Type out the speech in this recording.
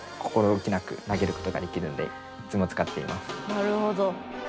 なるほど。